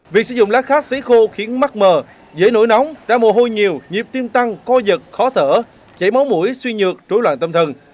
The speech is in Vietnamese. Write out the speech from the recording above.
việc sử dụng lá khát sấy khô khiến mắt mờ dễ nổi nóng ra mồ hôi nhiều nhịp tim tăng co giật khó thở chảy máu mũi suy nhược trối loạn tâm thần